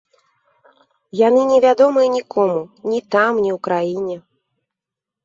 Яны не вядомыя нікому ні там, ні у краіне.